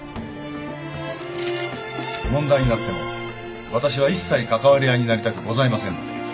問題になっても私は一切関わり合いになりたくございませんので。